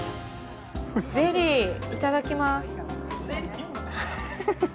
ゼリー、いただきます。